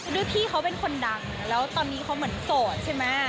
พี่เขาเป็นคนดังแล้วตอนนี้เขาเหมือนโสดใช่ไหม